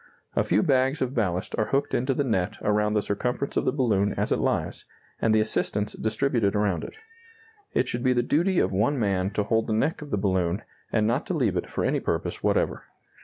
A few bags of ballast are hooked into the net around the circumference of the balloon as it lies, and the assistants distributed around it. It should be the duty of one man to hold the neck of the balloon, and not to leave it for any purpose whatever.